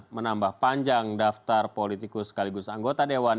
menambah panjang daftar politikus sekaligus anggota dewan